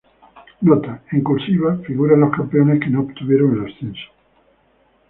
Nota: En "cursiva" figuran los campeones que no obtuvieron el ascenso.